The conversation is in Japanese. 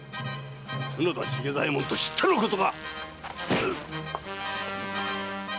⁉角田茂左衛門と知ってのことか？